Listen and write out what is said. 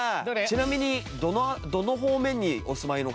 ちなみに。